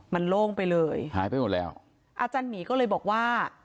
มันโล่งไปเลยหายไปหมดแล้วอาจารย์หมีก็เลยบอกว่า